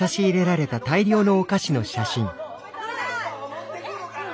持ってくるから！